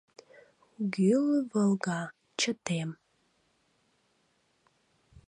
Гӱл вылга — чытем